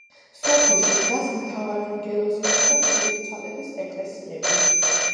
სოფელში დგას მთავარანგელოზისა და ფერისცვალების ეკლესიები.